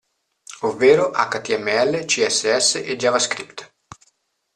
Ovvero: HTML, CSS e JavaScript.